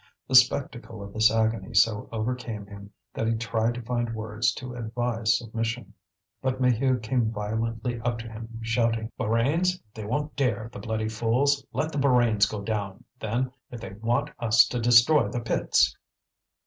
The spectacle of this agony so overcame him that he tried to find words to advise submission. But Maheu came violently up to him, shouting: "Borains! They won't dare, the bloody fools! Let the Borains go down, then, if they want us to destroy the pits!"